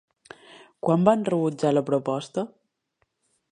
Quan van rebutjar la proposta?